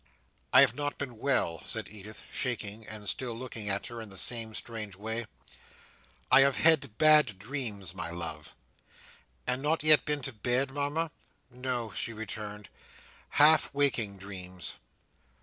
"I have not been well," said Edith, shaking, and still looking at her in the same strange way. "I have had bad dreams, my love." "And not yet been to bed, Mama?" "No," she returned. "Half waking dreams."